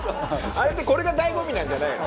あれってこれが醍醐味なんじゃないの？